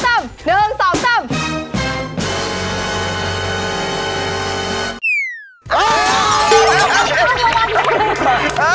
รักดีปะรักดีไป